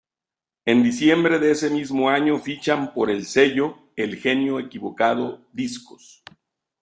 En diciembre de ese mismo año fichan por el sello "El Genio Equivocado Discos".